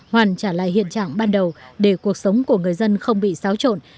hoàn trả lại hiện trạng ban đầu để cuộc sống của người dân không bị xáo trộn